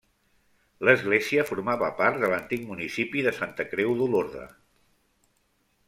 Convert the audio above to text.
L'església formava part de l'antic municipi de Santa Creu d'Olorda.